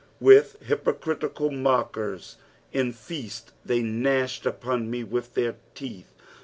With hypocritieal mockert in feait*, they gnathed upon me with their teeth."